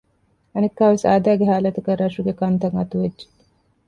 އަނެއްކާވެސް އާދައިގެ ހާލަތަކަށް ރަށުގެ ކަންތައް އަތުވެއްޖެ